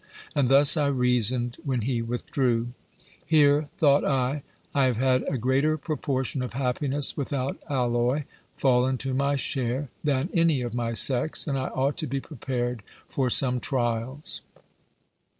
And thus I reasoned when he withdrew: "Here," thought I, "I have had a greater proportion of happiness without alloy, fallen to my share, than any of my sex; and I ought to be prepared for some trials.